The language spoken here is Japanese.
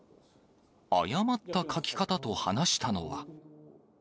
誤った書き方と話したのは。